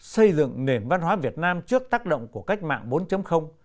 xây dựng nền văn hóa việt nam trước tác động của cách mạng bốn